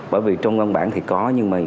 bởi vì trong ngân bản thì có nhưng mà